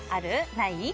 ない？